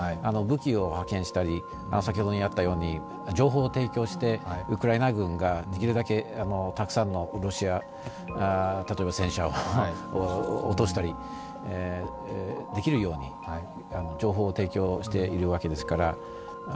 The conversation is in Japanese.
武器を派遣したり、先ほどあったように情報を提供してウクライナ軍ができるだけたくさんのロシアの戦車を落としたりできるように、情報を提供しているわけですから。